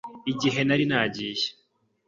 igihe nari nagiye.